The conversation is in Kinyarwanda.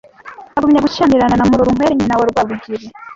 agumya gushyamirana na Murorunkwere nyina wa Rwabugili;